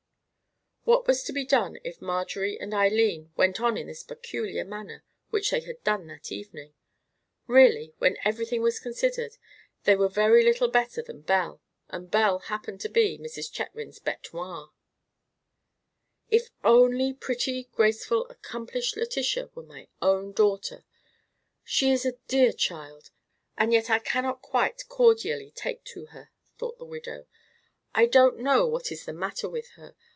What was to be done if Marjorie and Eileen went on in this peculiar manner which they had done that evening? Really, when everything was considered, they were very little better than Belle, and Belle happened to be Mrs. Chetwynd's bête noire. "If only pretty, graceful, accomplished Letitia were my own daughter! She is a dear child, and yet I cannot quite cordially take to her," thought the widow. "I don't know what is the matter with her.